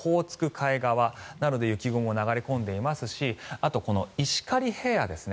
海側なので雪雲が流れ込んでいますしあと、石狩平野ですね。